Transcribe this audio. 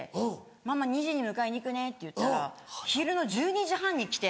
「ママ２時に迎えに行くね」って言ったら昼の１２時半に来て。